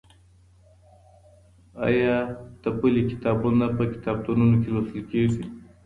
آيا تپلي کتابونه په کتابتونونو کي لوستل کېږي؟